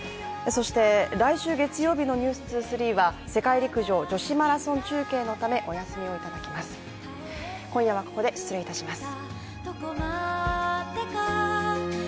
そして、来週月曜日の「ｎｅｗｓ２３」は世界陸上女子マラソン中継のためお休みをいただきます今夜はここで失礼いたします。